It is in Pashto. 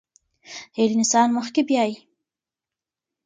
هيله انسان مخکې بيايي.